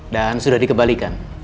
dan sudah dikembalikan